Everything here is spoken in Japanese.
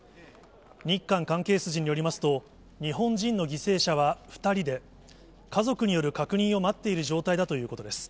日韓関係筋によりますと、日本人の犠牲者は２人で、家族による確認を待っている状態だということです。